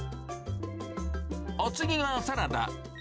お次はサラダ。